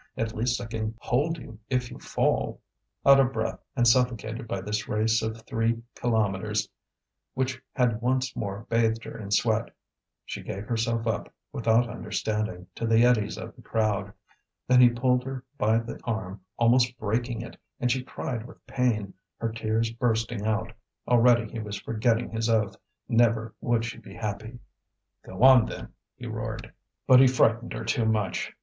"At least I can hold you if you fall." Out of breath, and suffocated by this race of three kilometres which had once more bathed her in sweat, she gave herself up, without understanding, to the eddies of the crowd. Then he pulled her by the arm, almost breaking it; and she cried with pain, her tears bursting out. Already he was forgetting his oath, never would she be happy. "Go on, then!" he roared. But he frightened her too much.